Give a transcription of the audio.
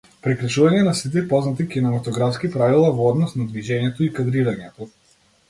Прекршување на сите познати кинематографски правила во однос на движењето и кадрирањето.